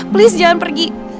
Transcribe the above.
please jangan pergi